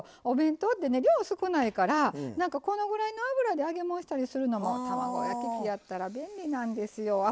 お弁当ってね量少ないからこのぐらいの油で揚げもんしたりするのも卵焼き器やったら便利なんですよ。